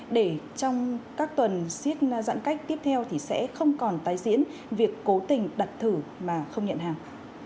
để trong các tuần siết giãn cách tiếp theo thì sẽ không còn tái diễn việc cố tình đặt thử mà không nhận hàng